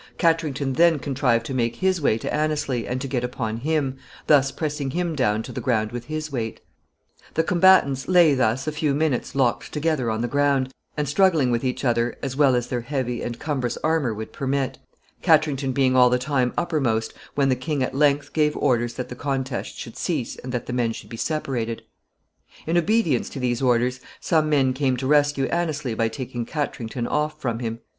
Katrington then contrived to make his way to Anneslie and to get upon him, thus pressing him down to the ground with his weight. The combatants lay thus a few minutes locked together on the ground, and struggling with each other as well as their heavy and cumbrous armor would permit, Katrington being all the time uppermost, when the king at length gave orders that the contest should cease and that the men should be separated. [Sidenote: The proceedings arrested by the king.] In obedience to these orders, some men came to rescue Anneslie by taking Katrington off from him.